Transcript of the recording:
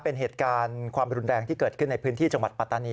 เป็นเหตุการณ์ความรุนแรงที่เกิดขึ้นในพื้นที่จังหวัดปัตตานี